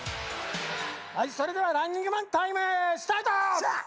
はいそれではランニングマンタイムスタート！